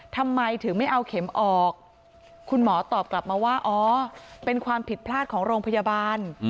ทำไมถึงไม่เอาเข็มออกคุณหมอตอบกลับมาว่าอ๋อเป็นความผิดพลาดของโรงพยาบาล